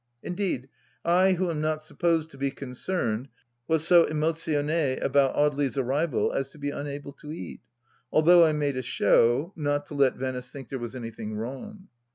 Indeed, I who am not supposed to be concerned, was so imotionnie about Audely's arrival as to be unable to eat, though I made a show, not to let Venice think there was anything wrong.